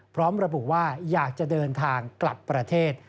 พร้อมระบุว่าอยากจะเดินทางกลับประเทศ